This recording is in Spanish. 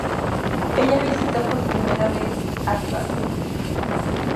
Ella visitó por primera vez Asgard.